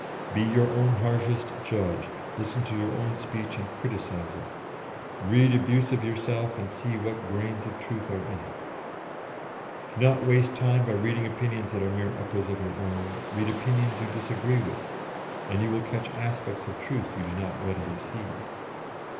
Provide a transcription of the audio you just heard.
"Be your own harshest judge, listen to your own speech and criticise it; read abuse of yourself and see what grains of truth are in it." "Do not waste time by reading opinions that are mere echoes of your own; read opinions you disagree with, and you will catch aspects of truth you do not readily see."